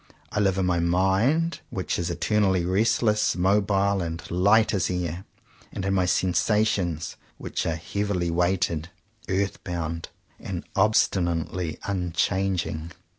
I live in my mind, which is eternally restless, mobile, and light as air; and in my sensations, which are heavily weighted, earth bound, and obstinately un changing.